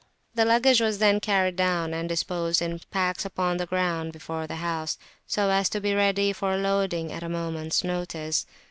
The luggage was then carried down, and disposed in packs upon the ground before the house, so as to be ready for loading at a moments notice.